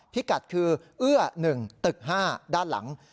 พิกัดคือเอื้อ๑ตึก๕ด้านหลัง